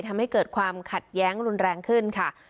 ทำให้เกิดความขัดแย้งรุนแรงขึ้นค่ะ